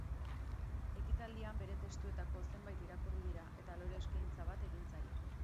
Ekitaldian bere testuetako zenbait irakurri dira eta lore eskaintza bat egin zaio.